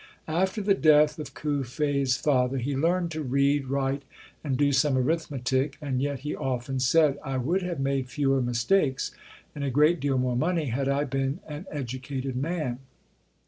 After the death of Cuffe's father he learned to read, write and do some arithmetic and yet he of ten said, "I would have made fewer mistakes and a great deal more money had I been an educated man."